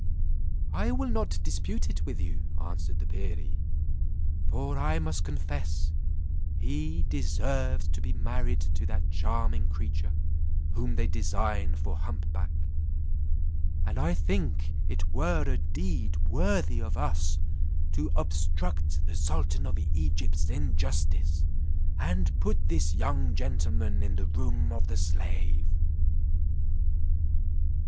"I will not dispute it with you," answered the perie; "for I must confess he deserves to be married to that charming creature, whom they design for hump back; and I think it were a deed worthy of us to obstruct the sultan of Egypt's injustice, and put this young gentleman in the room of the slave."